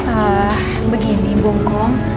ah begini bung kong